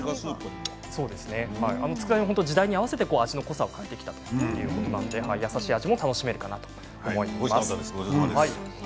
つくだ煮は時代に合わせて味の濃さを描いてきたということなので味のよさも楽しめると思います。